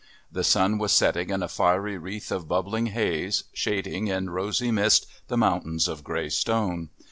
The sun was setting in a fiery wreath of bubbling haze, shading in rosy mist the mountains of grey stone.